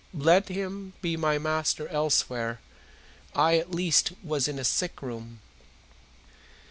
Let him be my master elsewhere, I at least was his in a sick room.